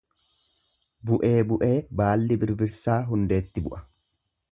Bu'ee bu'ee baalli birbirsaa hundeetti bu'a.